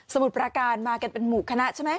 มุดประการมากันเป็นหมู่คณะใช่ไหม